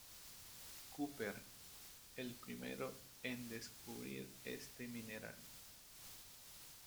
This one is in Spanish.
Cooper, el primero en descubrir este mineral.